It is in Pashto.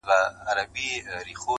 o په وږې خېټه غومبر نه کېږي.